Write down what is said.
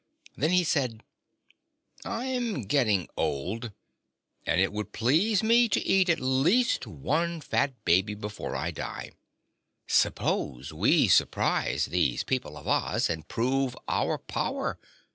Then he said: "I'm getting old, and it would please me to eat at least one fat baby before I die. Suppose we surprise these people of Oz and prove our power.